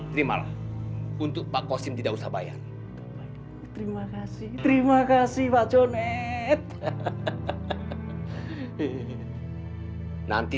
terimalah untuk pak kosim tidak usah bayar terima kasih terima kasih pak cone nanti